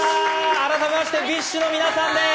改めまして、ＢｉＳＨの皆さんです！